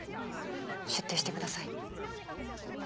出廷してください。